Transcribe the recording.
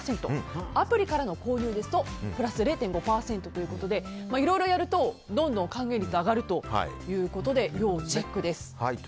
アプリからの購入ですとプラス０．５％ということでいろいろやると、どんどん還元率が上がるということで要チェックです。